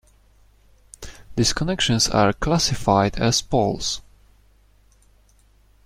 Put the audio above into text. These connections are classified as poles.